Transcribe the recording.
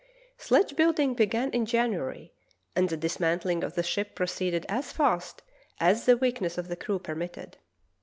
Sledge building began in January, and the dismantling of the ship proceeded as fast as the weakness of the crew permitted.